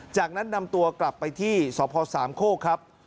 จากนั้นนำตัวกลับไปที่สพสามโคกครับ